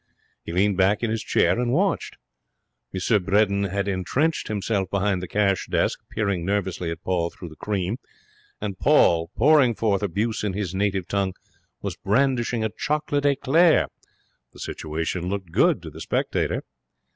He leaned back in his chair and watched. M. Bredin had entrenched himself behind the cash desk, peering nervously at Paul through the cream, and Paul, pouring forth abuse in his native tongue, was brandishing a chocolate eclair. The situation looked good to the spectator.